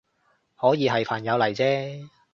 可以係朋友嚟啫